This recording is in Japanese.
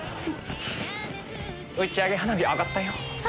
打ち上げ花火上がったよ。